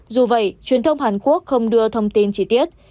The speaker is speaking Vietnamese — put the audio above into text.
dù vậy truyền thông hàn quốc không đưa thông tin chi tiết